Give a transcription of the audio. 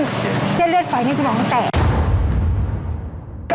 ก็จะลืดฝ่ายในสมองก็แตก